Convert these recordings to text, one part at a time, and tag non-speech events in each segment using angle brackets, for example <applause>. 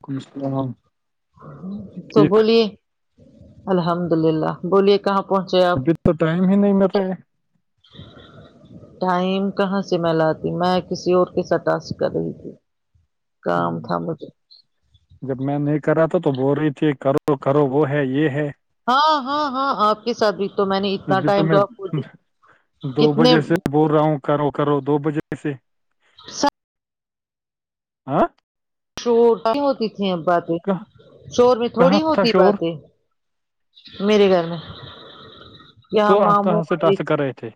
وعلیکم السلام تو ٹھیک بولیے الحمد للہ بولیے کہاں پہنچے آپ ابھی تو ٹائم ہی نہیں مل <inaudible> <unintelligible> ٹائم کہاں سے میں لاتی میں کسی اور کے سٹا سے کر رہی تھی کام ہم، تھاام جب میں نہیں کرا تھا تو بول رہی تھی کرو کرو وہ ہے یہ ہے ہاں ہاں ہاں آپ کے ساتھ بھی تو میں نے اتنا ابھی ٹائم تو میں آپ دو کتنے بجے سے بول رہا ہوں کرو کرو دو بجے سے س آاں شور ہوتی تھھی اب باتیں کہاں شور میں کہاں تھوڑی تھا ہوتی شور باتیں میرے گھر میں یہاں ماموں آئے کرہے تھے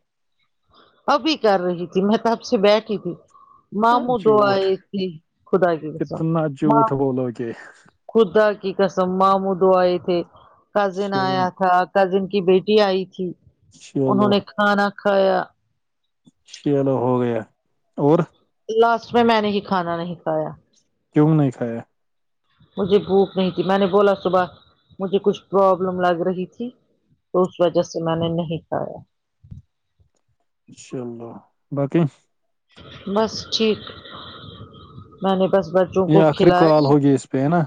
ابھی کر رہی تھی میں تب سے بیٹھی تھی ہاں، ماموں دو جھوٹ آئے تھی خدا کے سا کتنا جھوٹ بولو گے خدا کی قسم مم دو آئے تھے کزن آیا چلو تھا کزن کی بیٹی آئی تھی انہوں چلو نے کھانا کھایا چلو ہو گیا اور لاسٹ میں میں نے ہی کھانا نہیں کھایا کیوں نہیں کھایا مجھے بھوک نہیں تھی میں نے بولا صبح مجھے کچھ پرابلم لگ رہی تھی تو اس وجہ سے میں نے نہیں کھایا چلو باقی بس ٹھیک میں نے بس ب بچوں کو یہ آخری کھلائے کال ہوگی اس پہ ہے نا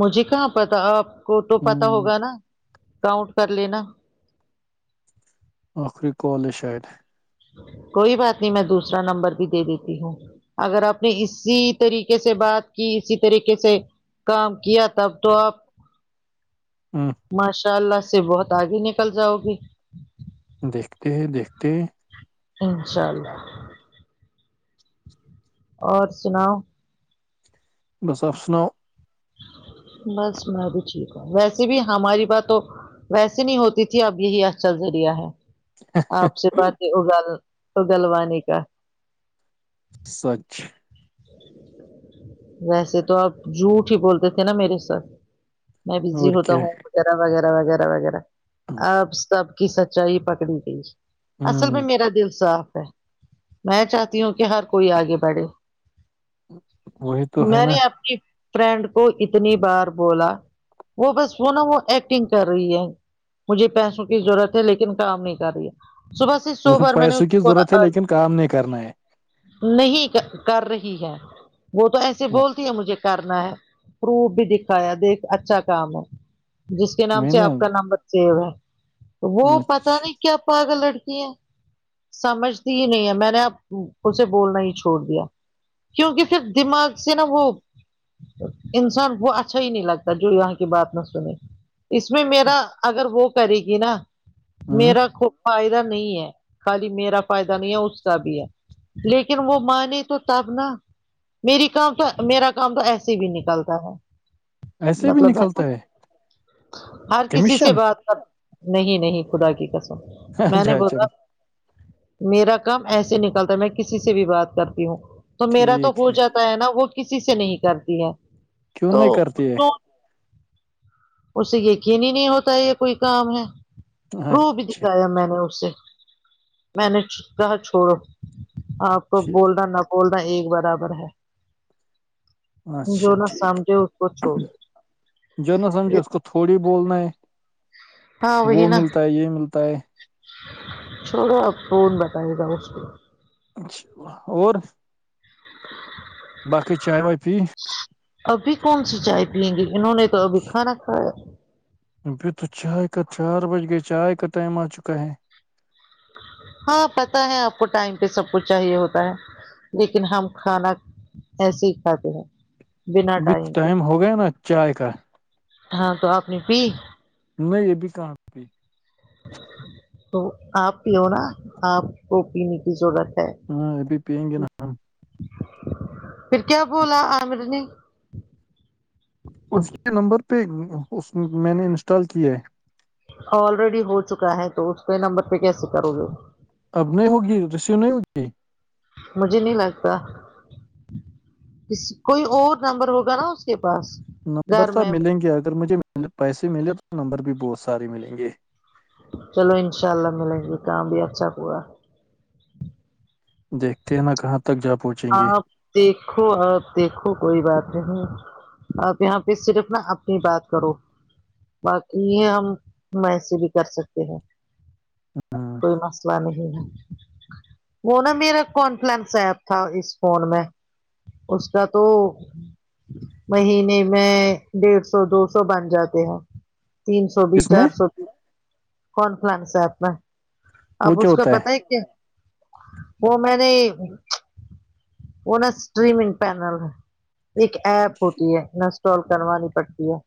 مجھے کہاں پتا آپ کو تو پتا ہم، ہوگا نا کاؤنٹ کر لینا خری کالج شاید کوئی بات نہیں میں دوسرا نمبر بھی دے دیتی ہوں اگر آپ نے اسی طریقے سے بات کی اسی طریقے سے کام کیا تب تو آپ ہمم ماشاء اللہ سے بہت آگے نکل جاؤ گی دیکھتے دیکھتے انشاء اللہ اور سناؤ بس آپش نؤ بس میں بھی ٹھیک ہوں ویسے بھی ہماری بات تو ویسے نہیں ہوتی تھی اب یہی آ چھا ذریہ ہے آپ سے بات ہے اگ اگلوانی کا سچ ویسے تو آپ جھوٹ ہی بولتے تھے نا میرے ساتھ میں اور بزی ہوتا کیا ہوں ہے؟ وغیرہ وغیرہ وغیرہ وغیرہ اب سب کی سچائی پکڑی گئی اصل ہوں میں میرا دل صاف ہے میں چاہتی ہوں کہ ہر کوئی آگے بڑھے وہی تو ہے میں نا نے اپنی فرینڈ کو اتنی بار بولا وہ بس وہ نا وہ ایکٹنگ کر رہی ہے مجھے پیسوں کی ضرورت ہے لیکن کام نہیں کر رہی ہے صبح سے سو بار میں نے اس پیسوں کی کو ضرورت ہے لیکن کام نہیں کرنا ہے نہیں کر رہی ہے وہ تو ایسے بولتی ہے مجھے کرنا ہے پروف بھی دکھایا دیکھ اچھا کام ہے جس کے نام میں سے نا آپ کا نمبر سیو ہے تو وہ پتا اچھا نہیں کیا پگ لڑکی ہے سمجھتی ہی نہیں ہے میں نے اب اسے بولنا ہی چھوڑ دیا کیونکہ پھر دماغ سے نا وہ تو انسان کو اچھا ہی نہیں لگتا جو یہاں کی بات نہ سنے اس میں میرا اگر وہ کرے گی نا ہاں میرا فائدہ نہیں ہے خالی میرا فائدہ نہیں ہے اس کا بھی ہے لیکن وہ مانے تو تب نا میری کام تو میرا کام تو ایسے بھی نکلتا ہے ایسے بھی مطلب ہے نکلتا ہر کسی سے کمیشن بات کر نہیں نہیں خدا کی کسم میں نے اچھا اچھا بولا میرا کام ایسے نکلتا ہے میں کسی سے بھی بات کرتی ہوں تو میرا تو ہو جاتا ہے نا وہ کسی سے نہیں کرتی ہے کیوں تو نہیں کرتی ہے اس سے یقین ہی نہیں ہوتا یہ کوئی کام ہے پروف اچھا دکھایا میں نے اس سے میں نے کہا چھوڑو آپ کو اچھا بولنا نہ بولنا ایک برابر ہے اچھا جو نہ ٹھیک سمجھے اس کو چھوڑو ہے جو نہ سمجھے اس کو تھوڑی بولنا ہے ہاں وہی وہ نا ملتا ہے یہ ملتا ہے چھوا فون بتائے گا اس کو اچھا اور <inaudible> باقی چائے وائے پی ابھی کون سی چائے پییں گی انہوں نے تو ابھی کھانا کھایا ابھی تو چائے کا چار بج گیا چائے کا ٹائم آ چکا ہے ہاں پتہ ہے آپ کو ٹائم پہ سب کچھ چاہیے ہوتا ہے لیکن ہم کھانا ایسے ہی کھاتے ہیں بنا ابھی ٹائم پہ ہو گیا نا چائے کا ہاں تو اپپنی پی نہیں یہ بھی کہاں پ تو آپ پیو نا آپ کو پینے کی ضرورت ہے ہاں ابھی پیئیں گے نا ہم پھر کیا بولا عامر نے اس کے نمبر پہ اس میں نے انسٹال کیا ہے آلریڈی ہو چکا ہے تو اس کے نمبر پہ کیسے کرو گے اب نہیں ہوگی ریسیو نہیں ہوگی مجھے نہیں لگتا ک کوئی اور نمبر ہوگا نا اس کے پاس نمبر گھر تو اب میں ملیں گے اگر مجھے پیسے ملے تو نمبر بھی بہت سارے ملیں گے چلو انشاء اللہ ملیں گے کام بھی اچھا پورا دیکھتے ہیں نا کہاں تک جا پہچا آپ دیکھو آپ دیکھو کوئی بات نہیں آپ یہاں پہ صرف نا اپنی بات کرو باقی یہ ہم ایسے بھی کر سکتے ہیں ہاں کوئی مسئلہ نہیں ہے وہ نا میرا کنفلنس ہےپ تھا اس فون میں اس کا تو مہینے میں ڈیڑھ سو دو سو بن جاتے ہیں تین سو بھی اس چار میں سو بھی کون فلانس ہے اپنا وہ اب کیا اس کا ہوتا پت ہے کیا وہ میں نے وہ نا اسٹریمنگ پینل ایک ایپ ہوتی ہے اسٹال کروانی پڑتی ہے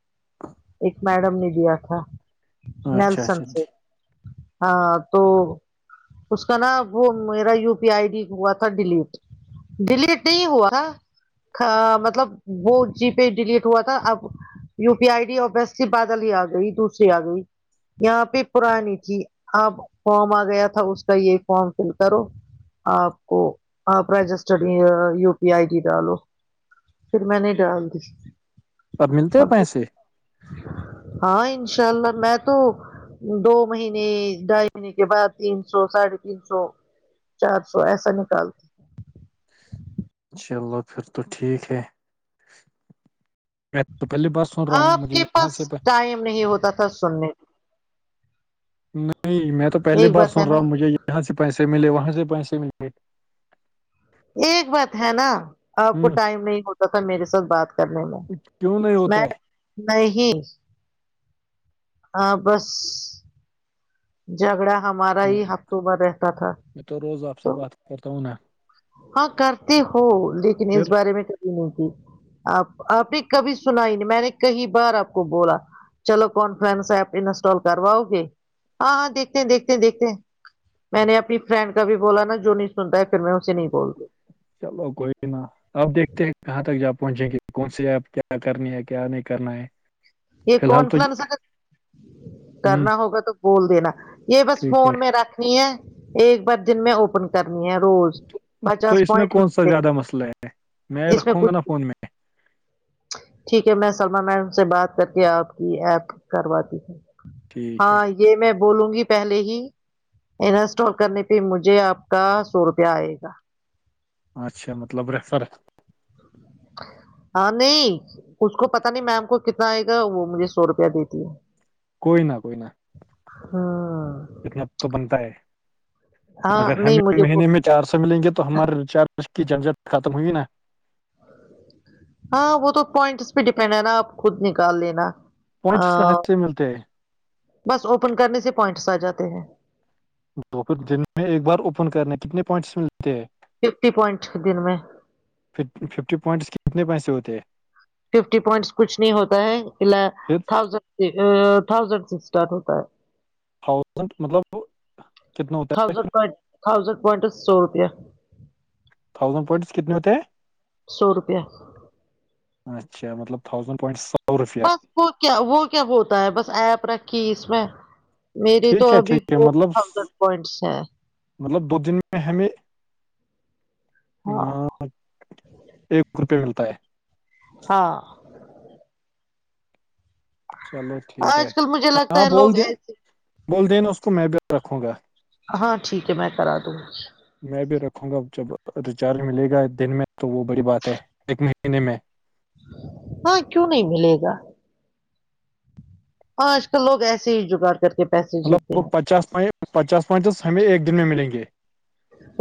ایک میڈم نے دیا تھا ہے اچھا نلسن اچھا سے ٹھیک ہاں تو اس کا نا وہ میرا U P I I D ہوا تھا ڈیلیٹ ڈیلیٹ نہیں ہوا تھا مطلب وہ جی پے ڈلیٹ ہوا تھا اب یو پی آئی ڈی اور بس سے بادل ہی آ گئی دوسری آ گئی یہاں پہ پرانی تھی اپ فارم آ گیا تھا اس کا یہ فارم فل کرو آپ کو پرجٹٹڈی یو پی آئی ڈی ڈالو پھر میں نہیں ڈال دی اب ملتے ہیں پیسے ہاں انشاء اللہ میں تو دو مہینے ڈھائی مہینے کے بعد تین سو ساڑھے تین سو چار سو ایسا نکالتے چلو پھر تو ٹھیک ہے میں تو پہلی بات سن رہا ہوں آپ مجھے کے یہاں پاس سے پ <unintelligible> ٹائم نہیں ہوتا تھا سننے نہیں میں تو کو، پہلی ایک بار بات ہے سن رہا نا ہوں مجھے یہاں سے پیسے ملے وہاں سے پیسے ملے ایک بات ہے نا آپ کو ہ ٹائم نہیں ہوتا تھا میرے ساتھ بات کرنے میں کیوں نہیں ہوتا میں ہے نہیں ہ بس جھگڑا ہمارا میں ہی ہفتوں ب رہتا تھا میں تو روز آپ سے تو بات کرتا ہوں نا ہاں کرتے ہو لیکن اس پھر بارے میں کبھی نہیں تھی آپ آپ نے کبھی سنا ہی نہیں میں نے کئی بار آپ کو بولا چلو کانفرنس ایپ انسٹال کرواؤ گے ہاں ہاں دیکھتے ہیں دیکھتے ہیں دیکھتے ہیں میں نے اپنی فرینڈ کا بھی بولا نا جو نہیں سنتا ہے پھر میں اسے نہیں بولتی چلو کوئی نہا آپ دیکھتے ہیں کہاں تک جا پہنچیں گے کون سی آپ کیا کرنی ہے کیا نہیں کرنا ہے یہ فی الحال تو کونفنسگر ہوں کرنا ہوگا تو بول دینا یہ بس ٹھیک ہے فون میں رکھ نہیں ہے ایک بار دن میں اوپن کر کرنی ہے روز تو- تو پسس اس میں پوائنٹ کون سا متے زیادہ مسئلہ ہے میں رکھوں گا نا فون میں ٹھیک ہے میں سلملمان م سے بات کر کے آپ کی ایپ کرواتی ہوں ٹھیک ہے ہاں یہ میں بولوں گی پہلے ہی انسٹال کرنے پہ مجھے آپ کا سو روپیہ آئے گا اچھا مطلب ریفر ہاں نہیں اس کو پتاہ نہیں میم کو کتنا آئے گا وہ مجھے سو روپیہ دیتی ہے کوئی نہ کوئی ن ہاں اتنا تو بنتا ہے ہاں اگر نہیں ہمیں مجھے وہ مہینے میں <unintelligible> چار سو ملیں گے تو ہمارے رچارج کی چارجر ختم ہوگی نا ہاں وہ تو پوائنٹس پہ ڈیپینڈ ہے نا آپ خود نکال لینا پانچ س آ، ہر سے ملتے <unintelligible> بس اوپن کرنے سے پوائنٹس آ جاتے ہیں دو پھر دن میں ایک بار اوپن کرنے کتنے پوائنٹس ملتے ہیں ففٹی پوائنٹ دن میں ففٹی پوائنٹس کتنے پیسے ہوتے ہیں ففٹی پوائنٹس کچھ نہیں ہوتا ہے ففتھ تھاؤزینڈ تھاؤزینڈ سے اسٹار ہوتا ہے تھاؤزینڈ مطلب کتنا ہوتا ہے تھاؤزینڈ <unintelligible> پوائنٹ تھاؤزینڈ پوائنٹس سو روپیہ ہے تھاؤزینڈ پونس کنےتے ہیں سو روپیہ اچھا مطلب تھاز بس وہ کیا وہ کیا ہوتا ہے بس ایپ رکھی اس میں میرری تو ٹھیک ہے ابھی ٹھیک ہے فور مطلب تھازینڈ پوائنٹس ہے مطلب دو دن میں ہمیں ہاں ایک روپے ملتا ہے ہاں چلو ٹھیک ہے آج کل مجھے لگتا ہاں ہے بول لوگ د ایسے بول دینا اس کو میں بھی رکھوں گا ہاں ٹھیک ہے میں کرا دوں میں بھی رکھوں گا جب ریچارج ملے گا دن میں تو وہ بڑی بات ہے ایک مہینے میں ہاں کیوں نہیں ملے گا آج کل لوگ ایسے ہی جگاڑ کر کے پیسے مطلب وہ جیتے ہیں پچاس پوائ پچاس پوائنٹس ہمیں ایک دن میں ملیں گے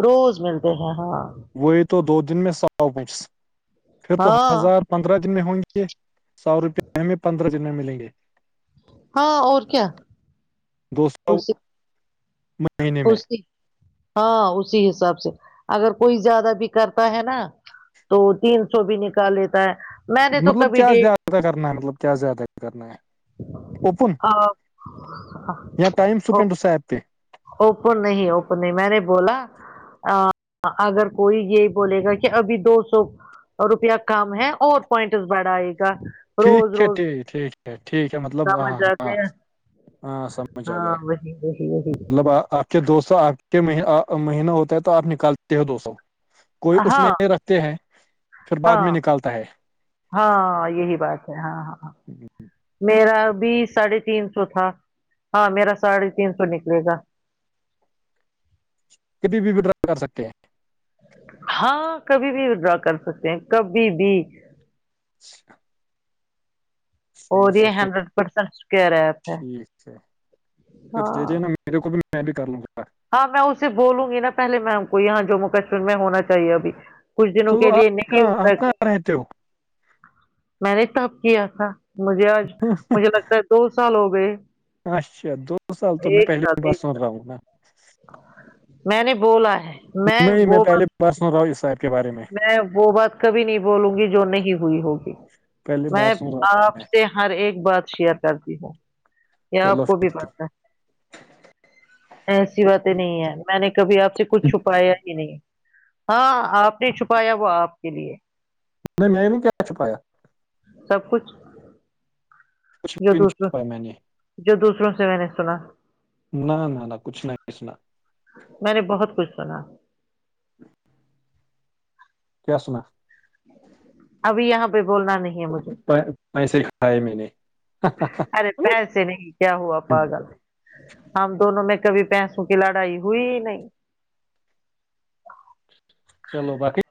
روز ملتے ہیں ہاں وہی تو دو دن میں سو بچ پھر تو ہاں ہزار پندرہ جن میں ہوں گیے سو روپے ہمیں پندرہ جن میں ملیں گے ہاں اور کیا دو سو اسی مہینے میں اسی ہاں اسی حساب سے اگر کوئی زیادہ بھی کرتا ہے نا تو تین سو بھی نکال لیتا ہے میں نے تو مطلب کبھی کیا ڈیٹ زیادہ کرنا ہے مطلب کیا زیادہ کرنا ہے اوپن ائم سپینڈ اس سار تے اوپن نہیں اوپن نہیں میں نے بولا اگر کوئی یہ بولے گا کہ ابھی دو سو روپیہ کم ہے اور پوائنٹس بڑھائے گا ٹھیک روز ہے روز ٹھیک ہے ٹھیک ہے مطلب ہ سمجھ ہاں جاتے ہیں ہاں سمجھ آ گیا ہاں وہی وہی وہی مطلب آپ کہ دو سو آپ کے مہینہ ہوتا ہے تو آپ نکالتے ہو دو سو کوئی اس ہاں میں رکھ ہیں پھر بعد ہاں میں نکالتا ہے ہاں یہی بات ہے ہاں ہاں ہاں جی ج میرا بھی ساڑھے تین سو تھا ہاں میرا ساڑھے تین سو نکلے گا کتی بھی بھی ڈرا کر سکتے ہیں ہاں کبھی بھی و ڈرا کر سکتے ہیں کبھی بھی اچھا وہ بھی تو ہنڈریڈ پرسینٹ سکر ہے ٹھیک ہے پ ہاں جے نا میرے کو بھی میں بھی کر لوں گا ہاں میں اسے بولوں گی نا پہلے میم کو یہاں جموں کشمیر میں ہونا چاہیے ابھی کچھ دنوں تو کے لیے آپ نہیں کہاں ہوتا آپ کہاں رہتے ہو میں نے تب کیا تھا مجھے آج مجھے لگتا ہے دو سال ہو گئے اچھا دو سال تو میں ایک پہلے ساتھ بار ایک سن ساتھ رہا ہوں نا میں نے بولا ہے نہیں میں وہ بات پہلے بس نہ رہا ہوں اس کے بارے میں وہ بات کبھی نہیں بولوں گی جو نہیں ہوئی ہوگی پہلے میں بار سن رہا ہوں میں آپ نے۔ سے ہر ایک بات شیئر کرتی ہوں یا چلو آپ کو پھر بھی ٹھیک پتہ ہے ایسی باتیں نہیں ہے میں نے کبھی آپ سے کچھ چھپایا نہیں ہاں آپ نے چھپایا وہ آپ کے لیے نہیں م میں نے کیا چ پییا سب کچھ کچھ جو بھی نہیں دوسروں چھپایا میں نے جو دوسروں سے میں نے سنا نہ نہ نہ کچھ نہیں ک اسنا میں نے بہت کچھ سنا <unintelligible> کیا س ننا ابھی یہاں پہ بولنا نہیں ہے مجھے پیسے کھائے میں نے ارے پیسے نہیں کیا ہوا پاگل ہم دونوں میں کبھی پیسوں کی لڑائی ہوئی ہی نہیں چلو باکی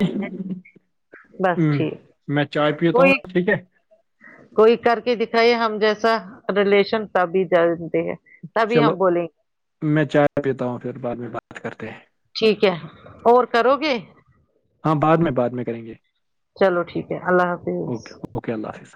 بس ٹھیک میں چائے پیتا ہوں کوئی ٹھیک ہے کوئی کر کے دکھائیے ہم جیسا ریلیشن تبھی جانتے ہیں تبھی چلو ہم بولیں گے میں چائے پیتا ہوں پھر بعد میں بات کرتے ہیں ٹھیک ہے اور کرو گے ہاں بعد میں بات میں کریں گے چلو ٹھیک ہے اللہ حفظ اوکے اوکے اللہ حافظ